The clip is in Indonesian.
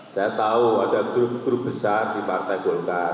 saya tahu ada grup grup besar di partai golkar